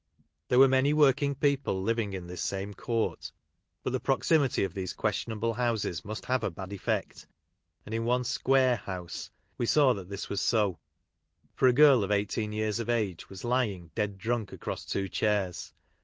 There were many working people living in the same court, but the proximity of these questionable houses must have a bad effect, and in one " square "! house we saw that this was so, for a girl of 18 years ! of age was lying dead drunk across two chairs.